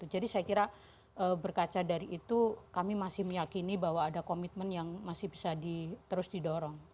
jadi saya kira berkaca dari itu kami masih meyakini bahwa ada komitmen yang masih bisa di terus didorong